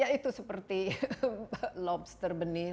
ya itu seperti lobster benih